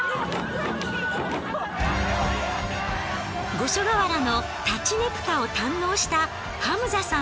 五所川原の立佞武多を堪能したハムザさん。